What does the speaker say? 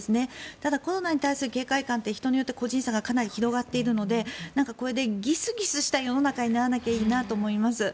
ただ、コロナに対する警戒感って人によって個人差がかなり広がっているのでこれでギスギスした世の中にならなきゃいいなと思います。